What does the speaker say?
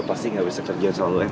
lo pasti gak bisa kerja soal lo ya kan